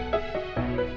ya kita berhasil